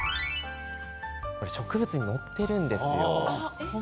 植物に乗っているんですよ。